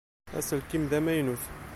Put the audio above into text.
Aselkim d amaynut.